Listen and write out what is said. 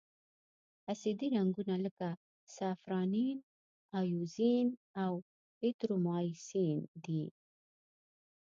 اسیدي رنګونه لکه سافرانین، ائوزین او ایریترومایسین دي.